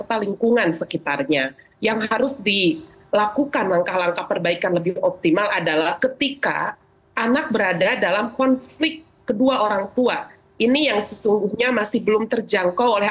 anak yang berada dalam konflik kedua orangtua ini yang sesungguhnya masih belum terjangkau oleh